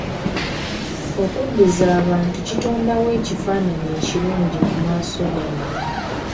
Okuddiza abantu kitondawo ekifaananyi ekirungi mu maaso gaabwe.